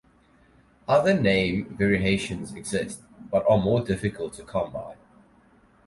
Other name variations exist, but are more difficult to come by.